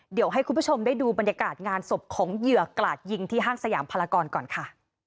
เดี๋ยวให้คุณผู้ชมได้ดูบรรยากาศงานศพของเหยื่อกราดยิงที่ห้างสยามพลากรก่อนค่ะ